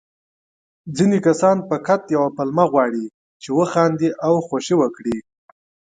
ځيني کسان فقط يوه پلمه غواړي، چې وخاندي او خوښي وکړي.